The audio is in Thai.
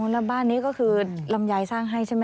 แล้วบ้านนี้ก็คือลำไยสร้างให้ใช่ไหม